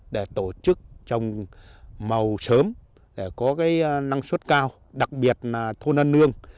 để tổ chức trồng màu sớm để có cái năng suất cao đặc biệt là thôn ăn nương